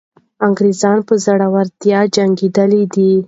انګریزان په زړورتیا جنګېدلي دي.